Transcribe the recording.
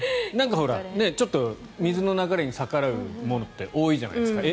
ほら、水の流れに逆らうものって多いじゃないですか。